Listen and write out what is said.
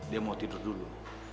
dia mau tidur dulu